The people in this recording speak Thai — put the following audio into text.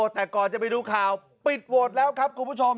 แต่ก่อนจะไปดูข่าวปิดโหวตแล้วครับคุณผู้ชม